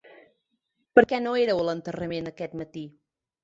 Per què no éreu a l'entrenament aquest matí?